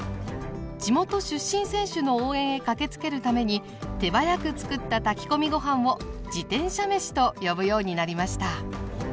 地元出身選手の応援へ駆けつけるために手早くつくった炊き込みご飯を「自転車めし」と呼ぶようになりました。